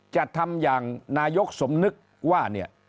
จะทำอย่างนายกสมนึกว่าเนี่ย